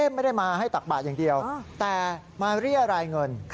ไม่ได้มาให้ตักบาทอย่างเดียวแต่มาเรียรายเงิน